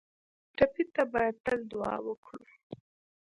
ټپي ته باید تل دعا وکړو